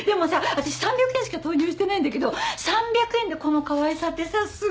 私３００円しか投入してないんだけど３００円でこのかわいさってさすごくない？